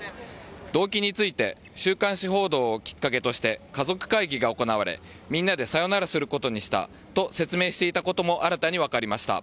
動機について週刊誌報道をきっかけとして家族会議が行われ、みんなでさよならすることにしたと説明していたことも新たに分かりました。